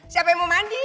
siapa yang mau mandi